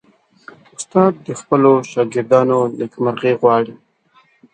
استاد د خپلو شاګردانو نیکمرغي غواړي.